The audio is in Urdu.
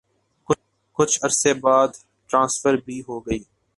کچھ عرصے بعد ٹرانسفر بھی ہو گئی۔